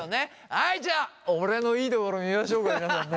はいじゃあ俺のいいところ見ましょうか皆さんね。